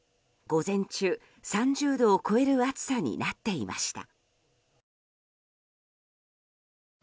午前中、３０度を超える暑さになっていました。